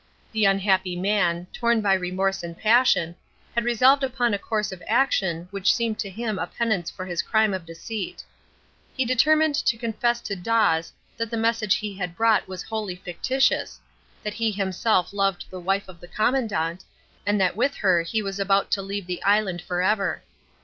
The unhappy man, torn by remorse and passion, had resolved upon a course of action which seemed to him a penance for his crime of deceit. He determined to confess to Dawes that the message he had brought was wholly fictitious, that he himself loved the wife of the Commandant, and that with her he was about to leave the island for ever.